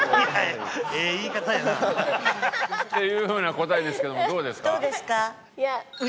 ええ言い方やな。っていう風な答えですけどもどうですか？